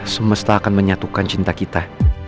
semesta akan menyatukan cinta kita